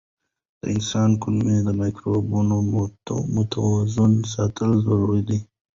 د انسان کولمو مایکروبیوم متوازن ساتل ضروري دي.